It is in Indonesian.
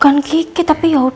skip lagi ofertai untuk aliusha